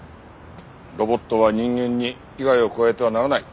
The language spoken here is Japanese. ロボットは人間に危害を加えてはならない。